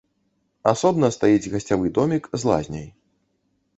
Асобна стаіць гасцявы домік з лазняй.